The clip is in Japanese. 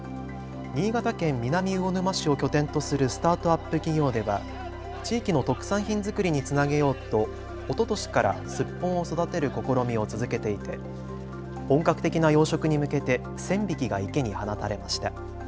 新潟県南魚沼市を拠点とするスタートアップ企業では地域の特産品作りにつなげようとおととしからすっぽんを育てる試みを続けていて本格的な養殖に向けて１０００匹が池に放たれました。